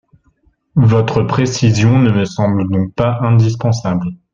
Votre précision ne me semble donc pas indispensable.